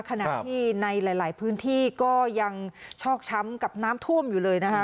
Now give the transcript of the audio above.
ขณะที่ในหลายพื้นที่ก็ยังชอกช้ำกับน้ำท่วมอยู่เลยนะคะ